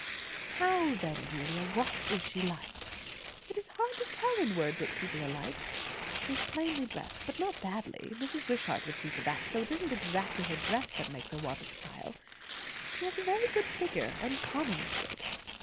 "How then, Julia? What is she like?" "It is hard to tell in words what people are like. She is plainly dressed, but not badly; Mrs. Wishart would see to that; so it isn't exactly her dress that makes her want of style. She has a very good figure; uncommonly good.